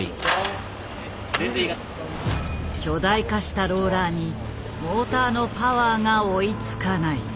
巨大化したローラーにモーターのパワーが追いつかない。